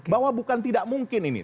bahwa bukan tidak mungkin ini